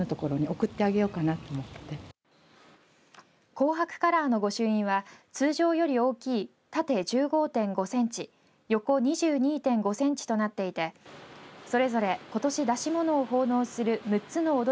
紅白カラーの御朱印は通常より大きい縦１５．５センチ横２２．５センチとなっていてそれぞれことし演し物を奉納する６つの踊